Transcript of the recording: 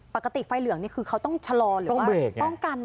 ปรากฏิฝัยเหลืองนี่คือเขาต้องชะลอหรือว่าต้องเบรกไงป้องกัน